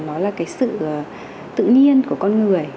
nó là cái sự tự nhiên của con người